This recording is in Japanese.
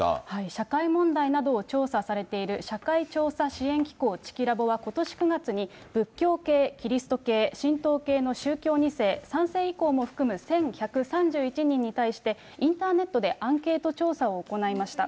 社会問題などを調査されている、社会調査支援機構チキラボは、ことし９月に仏教系、キリスト系、神道系の宗教２世、３世以降も含む１１３１人に対して、インターネットでアンケート調査を行いました。